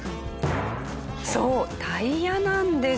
そうタイヤなんです。